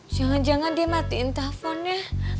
jangan jangan dia matiin teleponnya